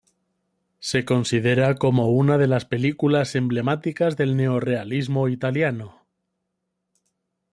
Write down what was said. Se considera como una de las películas emblemáticas del neorrealismo italiano.